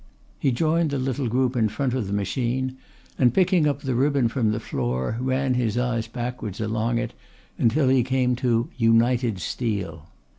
He joined the little group in front of the machine, and picking up the ribbon from the floor ran his eyes backwards along it until he came to "United Steel."